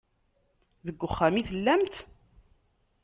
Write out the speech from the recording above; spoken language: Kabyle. Deg uxxam i tellamt?